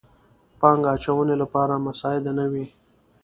پانګه اچونې لپاره مساعد نه وي.